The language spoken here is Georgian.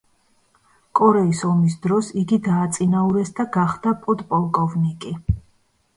კორეის ომის დროს იგი დააწინაურეს და გახდა პოდპოლკოვნიკი.